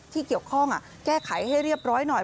ที่เกี่ยวข้องแก้ไขให้เรียบร้อยหน่อย